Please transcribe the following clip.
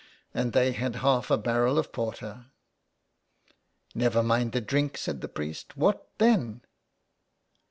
And they had half a barrel of porter." " Never mind the drink," said the priest, " what then